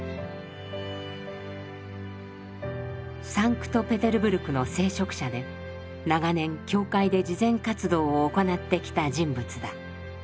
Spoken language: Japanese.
サンクトペテルブルクの聖職者で長年教会で慈善活動を行ってきた人物だ。